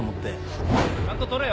ちゃんと撮れよ。